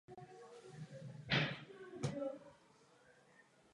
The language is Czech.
To však bylo v té době běžné jméno.